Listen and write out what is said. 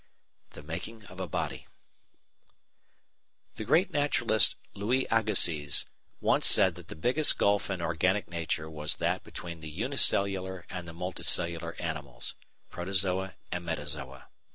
§ 3 The Making of a Body The great naturalist Louis Agassiz once said that the biggest gulf in Organic Nature was that between the unicellular and the multicellular animals (Protozoa and Metazoa).